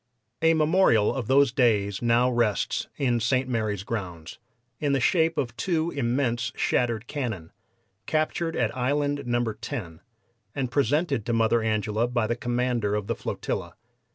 A memorial of those days now rests in St. Mary's grounds, in the shape of two immense shattered cannon, captured at Island No. 10, and presented to Mother Angela by the commander of the flotilla.